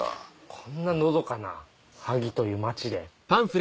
こんなのどかな萩という町で。